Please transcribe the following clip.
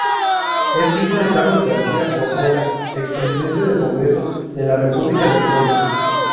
Es hijo de Carlos García Orjuela, expresidente del Congreso de la República de Colombia.